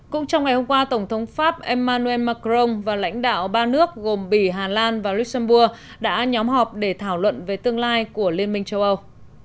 cũng trong ngày hôm qua tổng thống pháp emmanuel macron và lãnh đạo ba nước gồm bỉ hà lan và richembourg đã nhóm họp để thảo luận về tương lai của liên minh châu âu